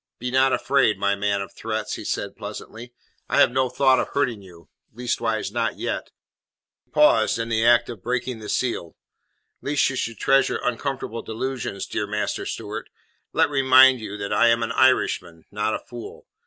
"Be not afraid, my man of threats," he said pleasantly. "I have no thought of hurting you leastways, not yet." He paused in the act of breaking the seal. "Lest you should treasure uncomfortable delusions, dear Master Stewart, let me remind you that I am an Irishman not a fool.